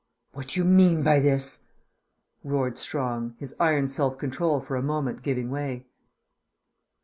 "What do you mean by this?" roared Strong, his iron self control for a moment giving way.